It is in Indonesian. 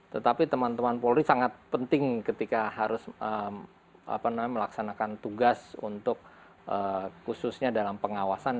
tetapi teman teman polri sangat penting ketika harus melaksanakan tugas untuk khususnya dalam pengawasan